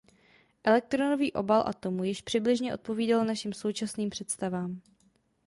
Elektronový obal atomu již přibližně odpovídal našim současným představám.